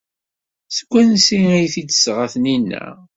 Seg wansi ay t-id-tesɣa Taninna?